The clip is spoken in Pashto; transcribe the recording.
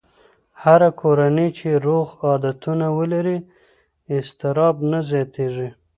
هره کورنۍ چې روغ عادتونه ولري، اضطراب نه زیاتېږي.